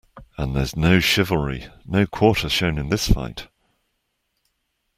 And there's no chivalry, no quarter shown in this fight.